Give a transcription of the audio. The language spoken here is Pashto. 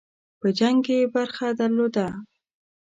په جنګ کې یې برخه درلوده.